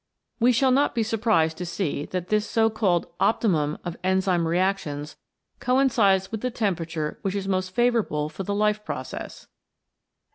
We shall not be surprised to see that this so called Optimum of enzyme reactions coincides with the temperature which is most favourable for the life process.